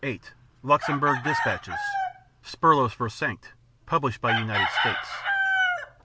8 Luxburg dispatches ("Spurlos versenkt") published by United States.